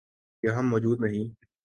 یہاں موجود نہیں۔